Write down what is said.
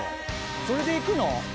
それで行くの？